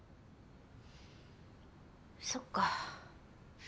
そっか。